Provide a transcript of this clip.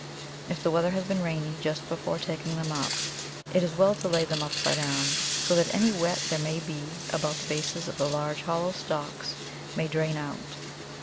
If the weather has been rainy just before taking them up, it is well to lay them upside down, so that any wet there may be about the bases of the large hollow stalks may drain out.